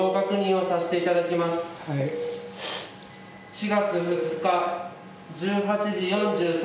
４月２日１８時４３分。